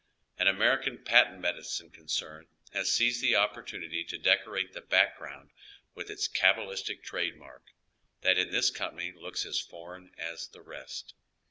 An American patent medicine concern has seized the oppor tunity to decorate the back ground with its cabalistic trade mark, that in this company looks as foreign as the rest.